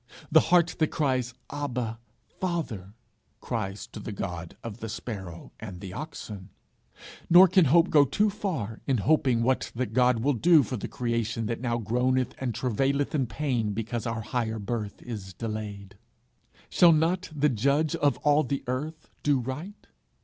the heart that cries Abba, Father, cries to the God of the sparrow and the oxen; nor can hope go too far in hoping what that God will do for the creation that now groaneth and travaileth in pain because our higher birth is delayed. Shall not the judge of all the earth do right?